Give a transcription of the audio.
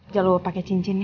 jangan lupa pakai cincinnya